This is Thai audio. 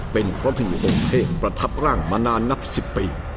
เป็นเพราะผิดอมเพศประทับร่างมานานนับสิบปี